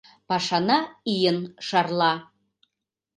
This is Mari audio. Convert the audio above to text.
Пашана ийын шарла.